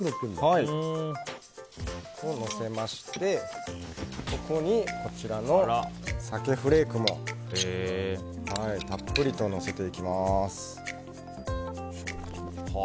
のせましてここにこちらの鮭フレークもたっぷりとのせていきます。